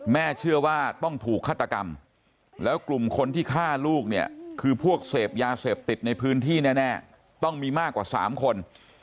เชื่อว่าต้องถูกฆาตกรรมแล้วกลุ่มคนที่ฆ่าลูกเนี่ยคือพวกเสพยาเสพติดในพื้นที่แน่ต้องมีมากกว่า๓คน